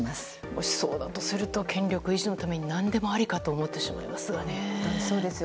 もし、そうだとすると権力維持のためには何でもありかと思ってしまいますね。